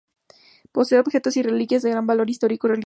Posee objetos y reliquias de gran valor histórico y religioso.